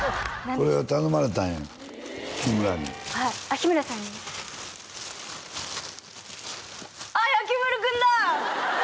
これは頼まれたんや日村にはいあっ日村さんにあっやきまるくんだ！